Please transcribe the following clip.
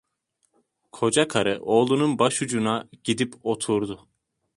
Kocakarı oğlunun başucuna gidip oturdu.